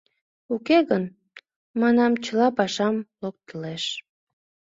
Уке гын, манам, чыла пашам локтылеш.